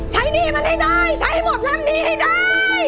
หนี้มันให้ได้ใช้ให้หมดลำนี้ให้ได้